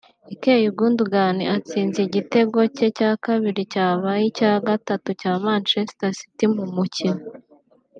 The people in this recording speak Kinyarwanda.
Ikay Gundogan atsinda igitego cye cya kabiri cyabaye icya gatatu cya Manchester City mu mukino